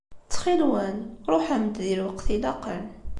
Ttxil-nwen ṛuḥem-d di lweqt ilaqen.